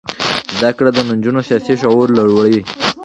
زده کړه د نجونو سیاسي شعور لوړوي.